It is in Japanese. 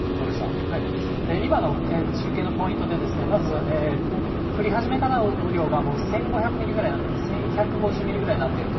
今の中継のポイントで、まず降り始めからの雨量が１５００ミリぐらい、１１５０ミリぐらいになっていると。